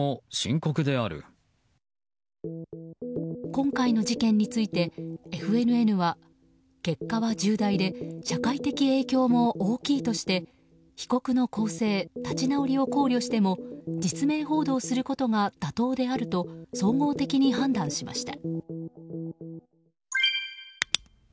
今回の事件についてＦＮＮは結果は重大で社会的影響も大きいとして被告の更生・立ち直りを考慮しても実名報道することが妥当であると総合的に判断しました。